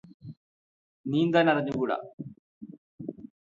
നീന്താൻ അറിഞ്ഞുകൂടാ